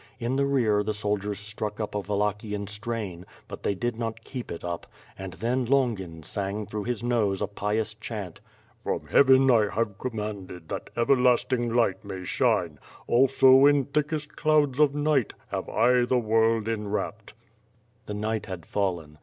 In the rear the soldiers struck up a Wal lachian strain, but they did not keep it up; and then Lon gin sang through his nose a pious chant: " From Heaven I have commanded That everlasting light may shine ; Also in thickest clouds of night, Have I the world enwrapped." The night had fallen.